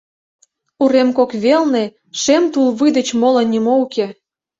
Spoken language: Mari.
Урем кок велне шем тулвуй деч моло нимо уке.